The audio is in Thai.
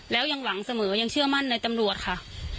แล้วยังหวังเสมอยังเชื่อมั่นในตำรวจค่ะ